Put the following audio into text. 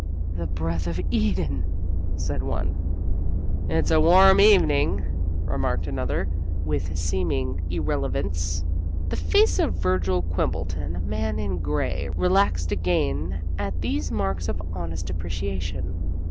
"The breath of Eden!" said one. "It's a warm evening," remarked another, with seeming irrelevance. The face of Virgil Quimbleton, the man in gray, relaxed again at these marks of honest appreciation.